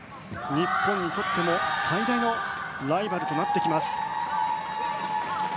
日本にとっても最大のライバルとなってきます。